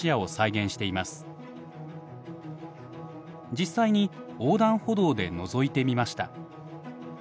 実際に横断歩道でのぞいてみました。